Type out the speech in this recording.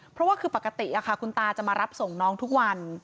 เพราะว่าคือปกติคุณตาจะมารับส่งน้องทุกวัน